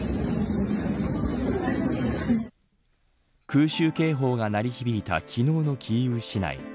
空襲警報が鳴り響いた昨日のキーウ市内。